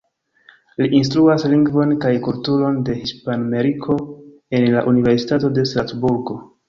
Li instruas lingvon kaj kulturon de Hispanameriko en la Universitato de Strasburgo.